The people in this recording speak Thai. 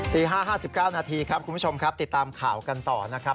ตี๕๕๙นาทีครับคุณผู้ชมครับติดตามข่าวกันต่อนะครับ